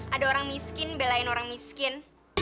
ada orang miskin belain orang miskin